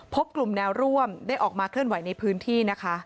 พบกลุ่มแนวร่วมได้ออกมาเคลื่อนไหวในพื้นที่นะคะ